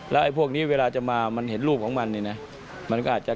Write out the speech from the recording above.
แล้วพวกนี้เวลาจะมามันเห็นรูปของมัน